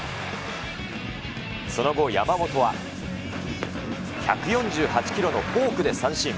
その後、山本は、１４８キロのフォークで三振。